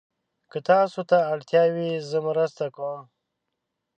که تاسو ته اړتیا وي، زه مرسته کوم.